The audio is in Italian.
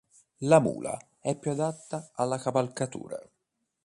La mula è più adatta alla cavalcatura.